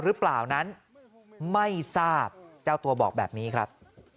หรือเปล่านั้นไม่ทราบเจ้าตัวบอกแบบนี้ครับ